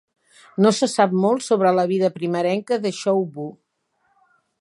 No se sap molt sobre la vida primerenca de Choe Woo.